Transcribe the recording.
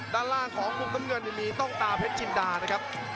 ด้านล่างของมุมน้ำเงินมีต้องตาเพชรจินดานะครับ